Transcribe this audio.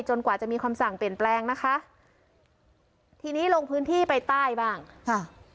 กว่าจะมีคำสั่งเปลี่ยนแปลงนะคะทีนี้ลงพื้นที่ไปใต้บ้างค่ะ